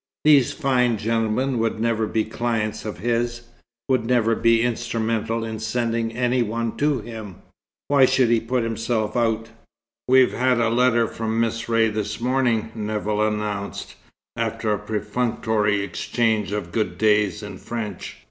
These fine gentlemen would never be clients of his, would never be instrumental in sending any one to him. Why should he put himself out? "We've had a letter from Miss Ray this morning," Nevill announced, after a perfunctory exchange of "good days" in French.